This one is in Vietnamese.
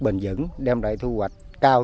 bền vững đem lại thu hoạch cao